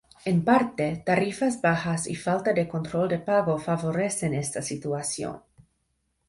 En parte, tarifas bajas y falta de control de pago favorecen esta situación.